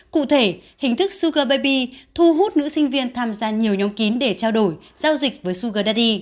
cụ thể hình thức sugar baby thu hút nữ sinh viên tham gia nhiều nhóm kín để trao đổi giao dịch với sugar daddy